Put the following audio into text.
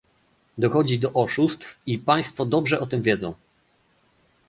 Dochodzi do oszustw i Państwo dobrze o tym wiedzą